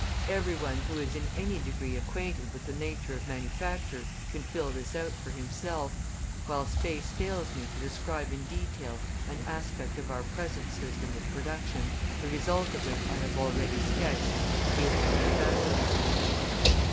Every one who is in any degree acquainted with the nature of manufacture can fill this out for himself, while space fails me to describe in detail an aspect of our present system of production, the result of which I have already sketched in dealing with the factory system.